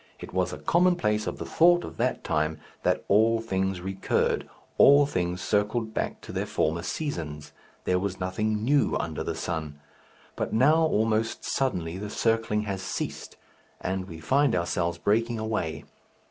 It was a commonplace of the thought of that time that all things recurred, all things circled back to their former seasons; there was nothing new under the sun. But now almost suddenly the circling has ceased, and we find ourselves breaking away.